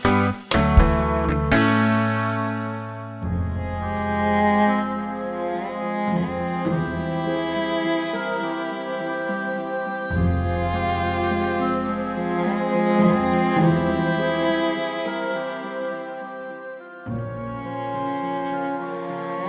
aku mau kemana